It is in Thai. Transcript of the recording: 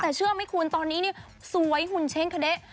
แต่เชื่อไหมคุณตอนนี้นี่สวยหุ่นเช่นขนาดนี้